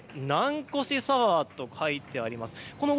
南越サワーと書いてあります。